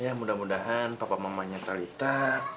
ya mudah mudahan topap mamanya talitha